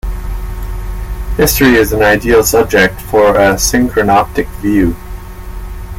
History is an ideal subject for a synchronoptic view.